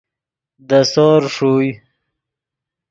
دے سور ݰوئے